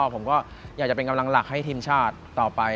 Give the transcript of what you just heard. ผมก็อยากจะเป็นกำลังหลักให้ทีมชาติต่อไป